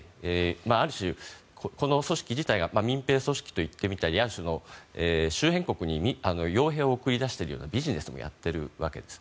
ある種、この組織自体が民兵組織といってみたりある種の周辺国に傭兵を送り出しているようなビジネスもやっているわけです。